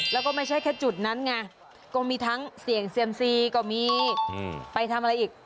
และไม่ใช่แค่จุดนั้นเนี่ยก็มีทั้งเสี่ยงเสี่ยมซีและไปทำอะไรอีก